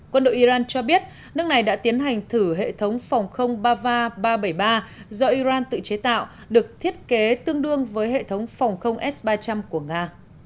quân đội iran cho biết nước này đã tiến hành thử hệ thống phòng không bava ba trăm bảy mươi ba do iran tự chế tạo được thiết kế tương đương với hệ thống phòng không s ba trăm linh của nga